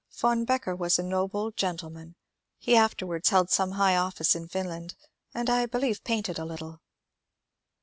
Von Becker was a noble gen tleman ; he afterwards held some high office in Finland, and GUSTAVE COURBET 276 I believe painted little.